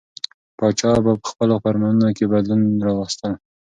پاچا به په خپلو فرمانونو کې بدلونونه راوستل.